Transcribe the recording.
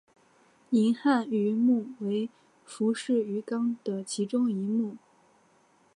银汉鱼目为辐鳍鱼纲的其中一目。